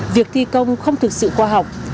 việc thi công không thực sự khoa học